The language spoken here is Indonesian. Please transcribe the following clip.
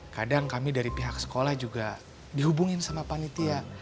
kadang kami dari pihak sekolah juga dihubungin sama panitia